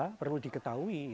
yang perlu diketahui